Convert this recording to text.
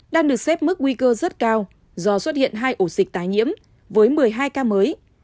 đang được xếp mức nguy cơ rất cao do xuất hiện hai ổ dịch tái nhiễm với một mươi hai ca mới